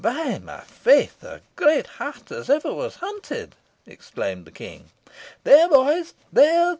"By my faith! a great hart as ever was hunted," exclaimed the King. "There boys, there!